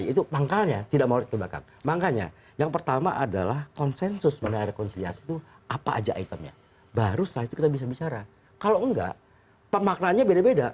itu pangkalnya tidak mau lari ke belakang makanya yang pertama adalah konsensus mengenai rekonsiliasi itu apa aja itemnya baru setelah itu kita bisa bicara kalau enggak pemaknaannya beda beda